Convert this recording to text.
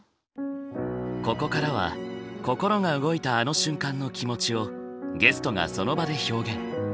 ここからは心が動いたあの瞬間の気持ちをゲストがその場で表現。